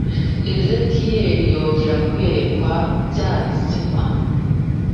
Ezekiyeli yongera kwerekwa bya bizima